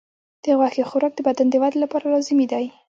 د غوښې خوراک د بدن د ودې لپاره لازمي دی.